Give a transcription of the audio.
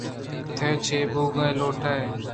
تو چے بوگ لوٹ ئے؟